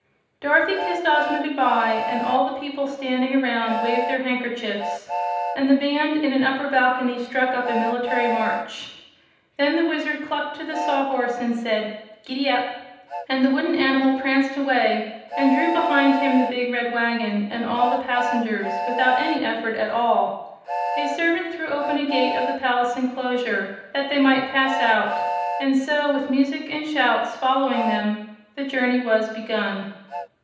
Dorothy kissed Ozma good bye, and all the people standing around waved their handkerchiefs, and the band in an upper balcony struck up a military march. Then the Wizard clucked to the Sawhorse and said: "Gid dap!" and the wooden animal pranced away and drew behind him the big red wagon and all the passengers, without any effort at all. A servant threw open a gate of the palace enclosure, that they might pass out; and so, with music and shouts following them, the journey was begun.